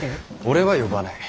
俺は呼ばない。